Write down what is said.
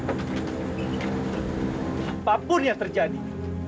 apapun yang terjadi